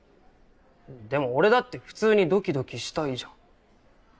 でも俺だって普通にドキドキしたいじゃん。